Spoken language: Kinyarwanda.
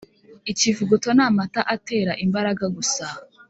Ikivuguto n’amata atera imbaraga gusa